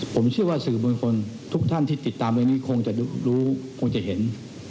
ผมเชื่อว่าสื่อมวลชนทุกท่านที่ติดตามเรื่องนี้คงจะรู้คงจะเห็น